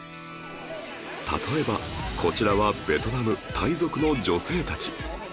例えばこちらはベトナムタイ族の女性たち